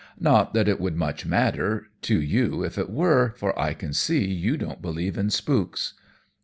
"Not that it would much matter to you if it were, for I can see you don't believe in spooks."